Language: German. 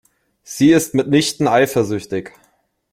Sie ist mitnichten eifersüchtig.